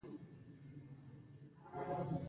پیلوټ د پاکې فضا پیاموړونکی وي.